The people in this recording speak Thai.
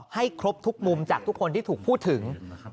ให้ครบทุกมุมจากทุกคนที่ถูกพูดถึง